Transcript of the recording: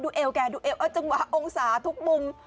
เอวแกดูเอวเออจังหวะองศาทุกมุม